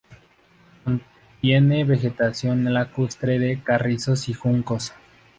Contiene vegetación lacustre de carrizos y juncos.